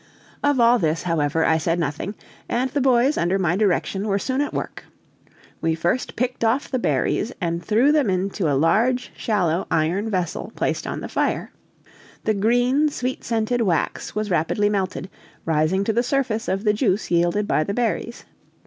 Of all this, however, I said nothing; and the boys, under my direction, were soon at work. We first picked off the berries and threw them into a large shallow iron vessel placed on the fire. The green, sweet scented wax was rapidly melted, rising to the surface of the juice yielded by the berries.